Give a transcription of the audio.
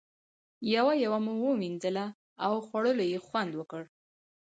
یوه یوه مو ووینځله او خوړلو یې خوند وکړ.